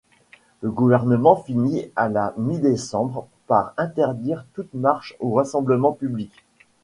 Le gouvernement finit à la mi-décembre par interdire toute marche ou rassemblement public.